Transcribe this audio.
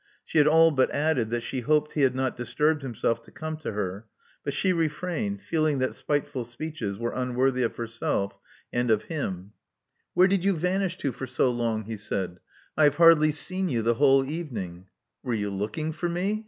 She had all but added that she hoped he had not disturbed him self to come to her; but she refrained, feeling that spiteful speeches were unworthy of herself and of him. 198 Love Among the Artists Where did you vanish to for so long?" he said. I have hardly seen you the whole evening." Were you looking for me?"